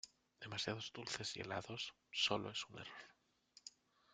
Demasiados dulces y helados. Sólo es un error .